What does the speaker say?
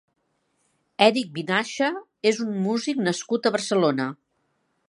Èric Vinaixa és un músic nascut a Barcelona.